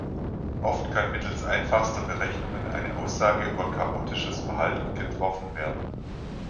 Oft kann mittels einfachster Berechnungen eine Aussage über chaotisches Verhalten getroffen werden.